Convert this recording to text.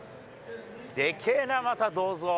でけーな、また、銅像。